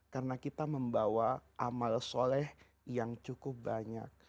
karena kita membawa amal soleh yang cukup banyak